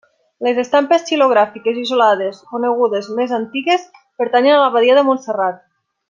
Les estampes xilogràfiques isolades conegudes més antigues pertanyen a l'abadia de Montserrat.